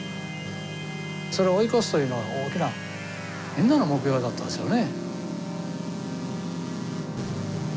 それを追い越すというのは大きなみんなの目標だったですよね。